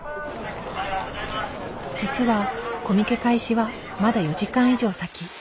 実はコミケ開始はまだ４時間以上先。